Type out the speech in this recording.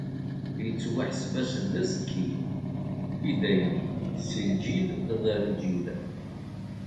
Ittwaḥseb-as d azekki, i dayem, si lǧil ɣer lǧil.